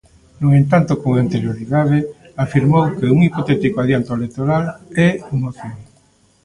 No entanto, con anterioridade afirmou que un hipotético adianto electoral "é unha opción".